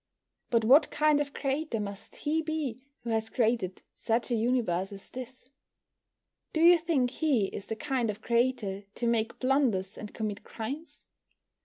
But what kind of Creator must He be who has created such a universe as this? Do you think He is the kind of Creator to make blunders and commit crimes?